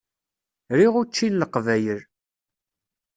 Riɣ učči n Leqbayel.